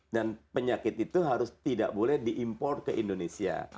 dan penyakit itu harus tidak boleh di import ke indonesia